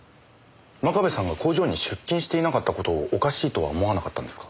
真壁さんが工場に出勤していなかった事をおかしいとは思わなかったんですか？